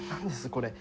これ。